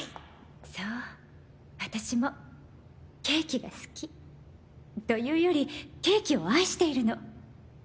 そう私もケーキが好きというよりケーキを愛しているの。